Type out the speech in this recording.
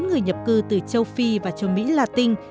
người nhập cư từ châu phi và châu mỹ latin